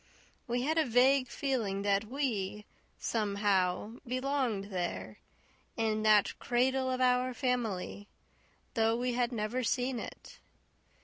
We had a vague feeling that we, somehow, belonged there, in that cradle of our family, though we had never seen it.